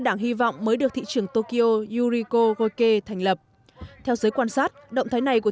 sự hy vọng mới được thị trường tokyo yuriko goike thành lập theo giới quan sát động thái này của